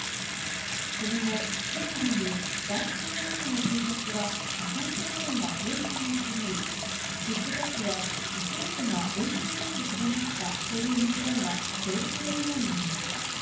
その後、きょうまでにガーシー容疑者のツイキャスは、アカウント画面が表示されなくなり、ＴｉｋＴｏｋはアカウントが永久停止されましたという文言が表示されるようになりました。